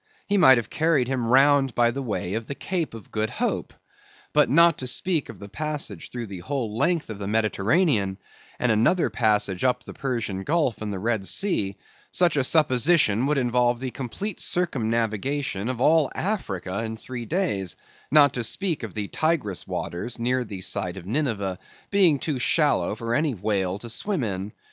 He might have carried him round by the way of the Cape of Good Hope. But not to speak of the passage through the whole length of the Mediterranean, and another passage up the Persian Gulf and Red Sea, such a supposition would involve the complete circumnavigation of all Africa in three days, not to speak of the Tigris waters, near the site of Nineveh, being too shallow for any whale to swim in.